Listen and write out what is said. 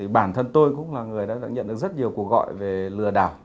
bản thân tôi cũng là người đã nhận được rất nhiều cuộc gọi về lừa đảo